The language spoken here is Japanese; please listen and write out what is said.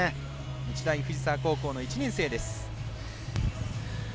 日大藤沢高校の１年生です。